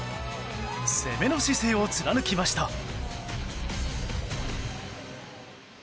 攻めの姿勢を貫きました。